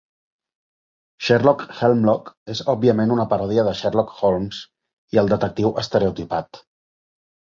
Sherlock Hemlock és òbviament una paròdia de Sherlock Holmes i el detectiu estereotipat.